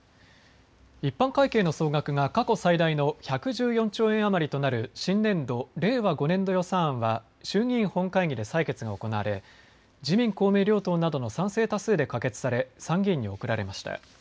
一般会計の総額が過去最大の１１４兆円余りとなる新年度、令和５年度予算案は衆議院本会議で採決が行われ自民公明両党などの賛成多数で可決され参議院に送られました。